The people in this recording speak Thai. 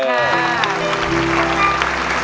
สวัสดีค่ะ